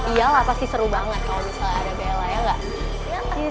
iya lah pasti seru banget kalo misalnya ada bella ya nggak